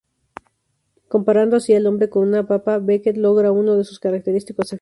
Comparando así al hombre con una papa, Beckett logra uno de sus característicos efectos.